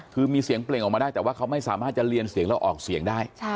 คือมีเสียงเปล่งออกมาได้แต่ว่าเขาไม่สามารถจะเรียนเสียงแล้วออกเสียงได้